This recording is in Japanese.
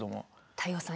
太陽さん